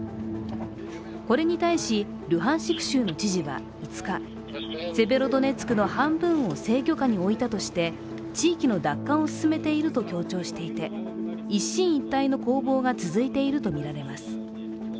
これに対し、ルハンシク州の知事は５日、セベロドネツクの半分を制御下においたとして、地域の奪還を進めていると強調していて一進一退の攻防が続いているとみられます。